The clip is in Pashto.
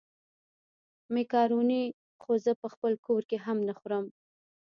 مېکاروني خو زه په خپل کور کې هم نه خورم.